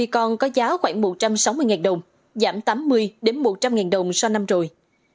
hai mươi con có giá khoảng một trăm sáu mươi đồng giảm tám mươi một trăm linh ngàn đồng so năm rồi